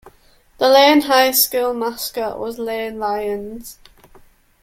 The Lane High School mascot was Lane Lions.